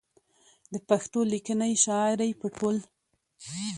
د پښتو ليکنۍ شاعرۍ په ټول